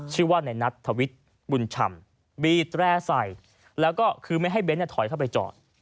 ชื่อว่าในนัทธวิทย์บุญชำบีดแร่ใส่แล้วก็คือไม่ให้เบ้นถอยเข้าไปจอด